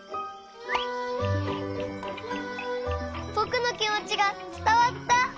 ぼくのきもちがつたわった！